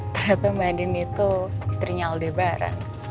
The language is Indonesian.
ternyata mbak adin itu istrinya aldebaran